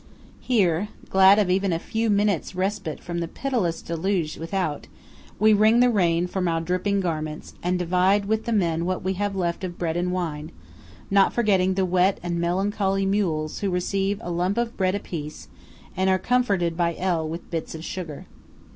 Here, glad of even a few minutes' respite from the pitiless deluge without, we wring the rain from our dripping garments, and divide with the men what we have left of bread and wine; not forgetting the wet and melancholy mules, who receive a lump of bread apiece, and are comforted by L. with bits of sugar.